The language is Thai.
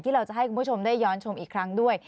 เราจะให้คุณผู้ชมได้ย้อนชมอีกครั้งด้วย